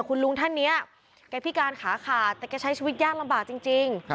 คุณลุงท่านนี้แกพิการขาขาดแต่แกใช้ชีวิตยากลำบากจริง